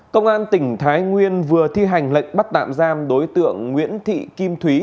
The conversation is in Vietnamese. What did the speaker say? công an tỉnh thái nguyên vừa thi hành lệnh bắt tạm giam đối tượng nguyễn thị kim thúy